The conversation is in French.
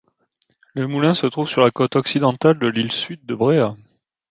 Le moulin se trouve sur la côte occidentale de l'île Sud de Bréhat.